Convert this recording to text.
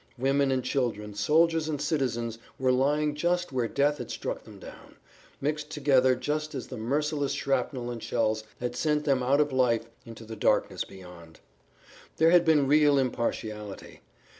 Women and children, soldiers and citizens were lying just where death had struck them down, mixed together just as the merciless shrapnel and shells had sent them out of life into the darkness beyond. There had been real impartiality.